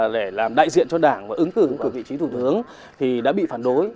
để làm đại diện cho đảng và ứng cử vị trí thủ tướng thì đã bị phản đối